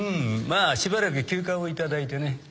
まあしばらく休暇を頂いてね。